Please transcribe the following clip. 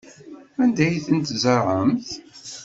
Anda ay ten-tzerɛemt?